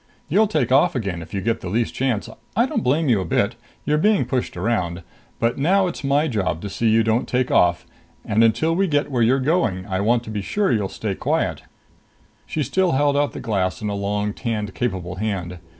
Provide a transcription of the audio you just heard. You'll take off again if you get the least chance. I don't blame you a bit. You're being pushed around. But now it's my job to see you don't take off; and until we get to where you're going, I want to be sure you'll stay quiet." She still held out the glass, in a long, tanned, capable hand.